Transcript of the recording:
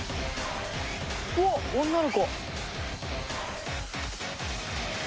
うおっ女の子。